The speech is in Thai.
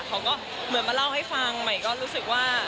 เขาก็เหมือนมาเล่าให้ฟังใหม่ก็รู้สึกว่า